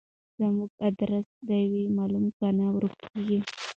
زموږ ادرس دي وي معلوم کنه ورکیږو